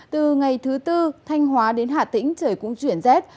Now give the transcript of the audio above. từ ngày thứ tư thanh hóa đến hà tĩnh trời cũng chuyển rét